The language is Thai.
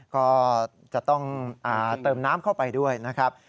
ก็จะต้องเติมน้ำเข้าไปด้วยนะครับ